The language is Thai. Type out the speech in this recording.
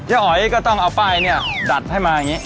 อ๋อยก็ต้องเอาป้ายเนี่ยดัดให้มาอย่างนี้